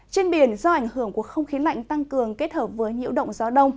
trên biển do ảnh hưởng của không khí lạnh tăng cường kết hợp với nhiễu động gió đông